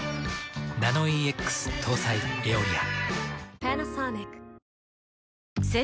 ナノイーＸ搭載「エオリア」。